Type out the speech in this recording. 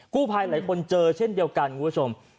กู้ภัยหลายคนเจอเช่นเดียวกันคุณผู้ชม